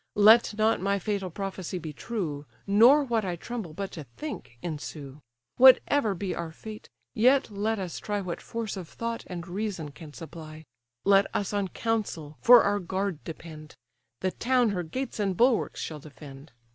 Let not my fatal prophecy be true, Nor what I tremble but to think, ensue. Whatever be our fate, yet let us try What force of thought and reason can supply; Let us on counsel for our guard depend; The town her gates and bulwarks shall defend.